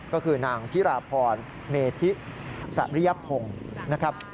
ก็คือนางธิราพรเมธิสริยพงศ์นะครับ